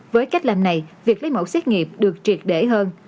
với cách làm này việc lấy mẫu xét nghiệm được triệt để hơn